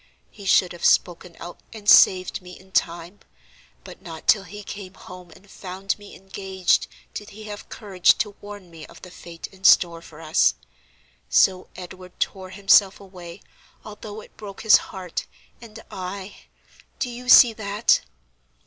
He should have spoken out and saved me in time. But not till he came home and found me engaged did he have courage to warn me of the fate in store for us. So Edward tore himself away, although it broke his heart, and I—do you see that?"